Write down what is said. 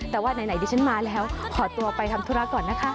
แต่ว่าไหนดิฉันมาแล้วขอตัวไปทำธุระก่อนนะคะ